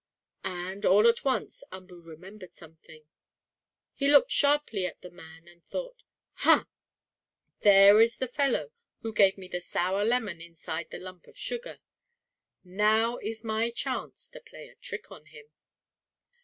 And, all at once Umboo remembered something. He looked sharply at the man and thought: "Ha! There is the fellow who gave me the sour lemon inside the lump of sugar. Now is my chance to play a trick on him."